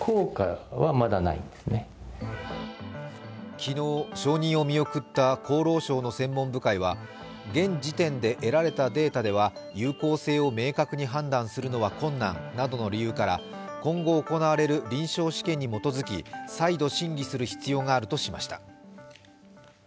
昨日承認を見送った厚労省の専門部会は現時点で得られたデータでは有効性を明確に判断するのは困難などの理由から今後行われる臨床試験に基づき再度審議する必要があるとしました。